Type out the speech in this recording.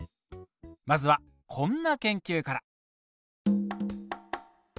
まずはこんな研究から。